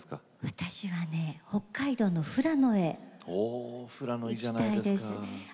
私はね北海道の富良野へ行きたいです。